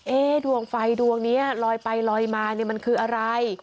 เอ๊ะดวงไฟดวงนี้ลอยไปลอยมามันคืออะไร